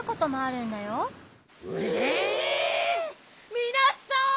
みなさん！